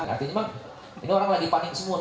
artinya memang ini orang lagi panik semua